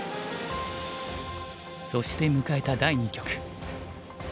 そして迎えた第二局。